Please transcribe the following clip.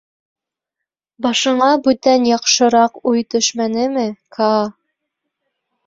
Башыңа бүтән яҡшыраҡ уй төшмәнеме, Каа?